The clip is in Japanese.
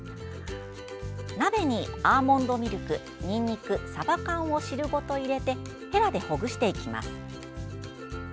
鍋にアーモンドミルクにんにく、さば缶を汁ごと入れてヘラでほぐしていきます。